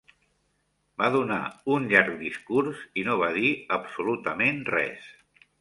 Va donar un llarg discurs i no va dir absolutament res.